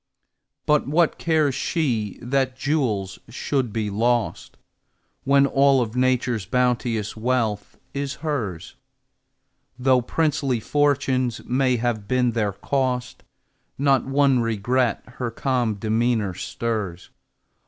But what cares she that jewels should be lost, When all of Nature's bounteous wealth is hers? Though princely fortunes may have been their cost, Not one regret her calm demeanor stirs.